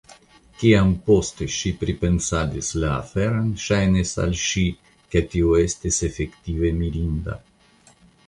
Kiam poste ŝi pripensadis la aferon, ŝajnis al ŝi, ke tio estis efektive mirinda.